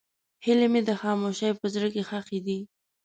هیلې مې د خاموشۍ په زړه کې ښخې دي.